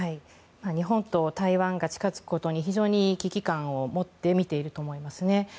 日本と台湾が近づくことに非常に危機感を持って見ていると思います。